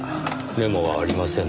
メモはありませんねぇ。